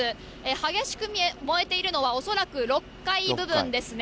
激しく燃えているのは、恐らく６階部分ですね。